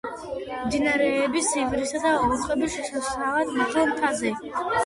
მდინარეების ივრისა და ორხევის შესართავთან, მაღალ მთაზე.